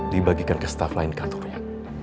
dibagikan ke staff lain kantornya